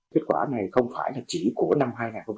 kết quả này không phải là chỉ của năm hai nghìn hai mươi ba